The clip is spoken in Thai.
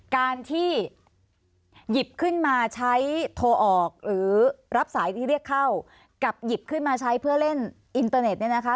การที่หยิบขึ้นมาใช้โทรออกหรือรับสายที่เรียกเข้ากับหยิบขึ้นมาใช้เพื่อเล่นอินเตอร์เน็ตเนี่ยนะคะ